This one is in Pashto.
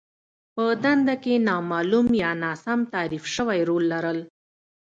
په دنده کې نامالوم يا ناسم تعريف شوی رول لرل.